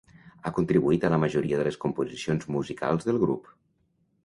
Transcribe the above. Ha contribuït a la majoria de les composicions musicals del grup.